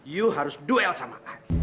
you harus duel sama a